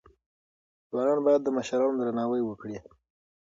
ځوانان باید د مشرانو درناوی وکړي.